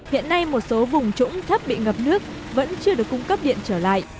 hiện nay một số vùng trũng thấp bị ngập nước vẫn chưa được cung cấp điện trở lại